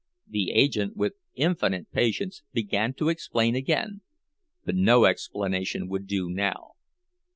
The agent, with infinite patience, began to explain again; but no explanation would do now.